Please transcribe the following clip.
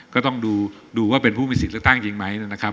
ก็ต้องดูว่าเป็นผู้มีสิทธิ์เลือกตั้งจริงไหมนะครับ